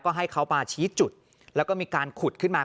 ก็ให้เขามาชี้จุดแล้วก็มีการขุดขึ้นมา